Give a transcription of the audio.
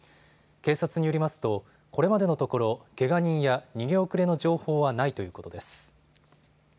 警察によりますとこれまでのところ、けが人や逃げ遅れの情報はないということです。